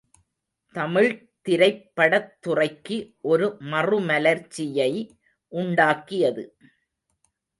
தமிழ்த் திரைப்படத்துறைக்கு ஒரு மறுமலர்ச்சியை உண்டாக்கியது.